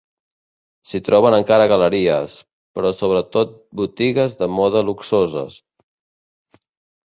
S'hi troben encara galeries, però sobretot botigues de moda luxoses.